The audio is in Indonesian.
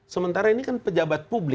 sementara ini kan pejabat publik